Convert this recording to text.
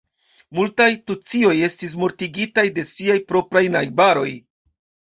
Multaj tucioj estis mortigitaj de siaj propraj najbaroj.